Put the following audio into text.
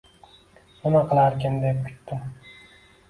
Nima qilarkin, deb kutdim.